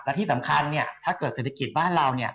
และที่สำคัญถ้าเกิดเศรษฐกิจบ้านเรา